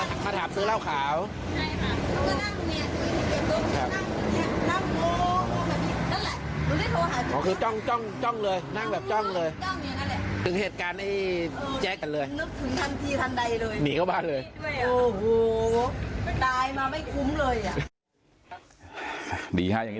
อ๋อคือจ้องจ้องจ้องเลยนั่งจ้องเลยจ้องขี้นั่นแหละ